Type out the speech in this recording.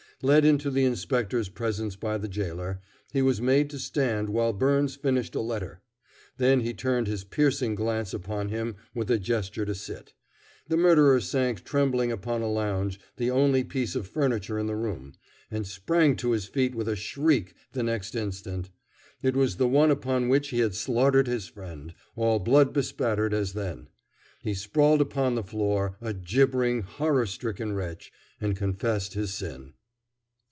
Led into the Inspector's presence by the jailer, he was made to stand while Byrnes finished a letter. Then he turned his piercing glance upon him with a gesture to sit. The murderer sank trembling upon a lounge, the only piece of furniture in the room, and sprang to his feet with a shriek the next instant: it was the one upon which he had slaughtered his friend, all blood bespattered as then. He sprawled upon the floor, a gibbering, horror stricken wretch, and confessed his sin.